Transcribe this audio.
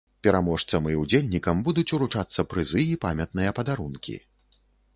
Пераможцам і ўдзельнікам будуць уручацца прызы і памятныя падарункі.